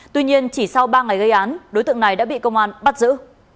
tuy nhiên chỉ sau ba ngày gây án đối tượng này đã bị công an bắt giữ